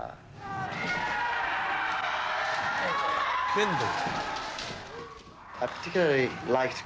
剣道。